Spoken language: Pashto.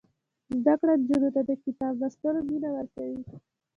زده کړه نجونو ته د کتاب لوستلو مینه ورکوي.